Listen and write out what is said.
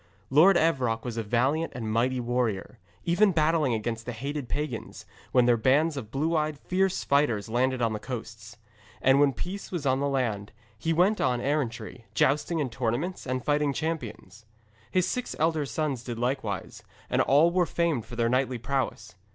Lord Evroc was a valiant and a mighty warrior, ever battling against the hated pagans, when their bands of blue eyed fierce fighters landed on his coasts. And when peace was on the land, he went about on errantry, jousting in tournaments and fighting champions. His six elder sons did likewise, and all were famed for their knightly prowess.